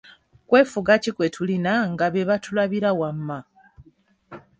"Kwefuga ki kwe tulina, nga be batulabira wamma."